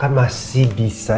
kan masih bisa